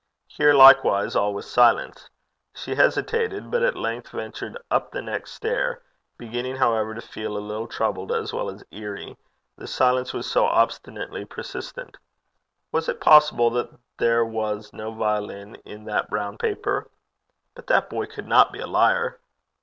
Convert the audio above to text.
Here, likewise, all was silence. She hesitated, but at length ventured up the next stair, beginning, however, to feel a little troubled as well as eerie, the silence was so obstinately persistent. Was it possible that there was no violin in that brown paper? But that boy could not be a liar.